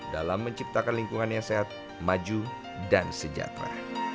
dalam menciptakan lingkungan yang sehat maju dan sejahtera